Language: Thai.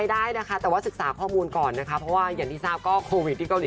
เล่นเอาไว้ลุกตะโหลกเลยดีกว่า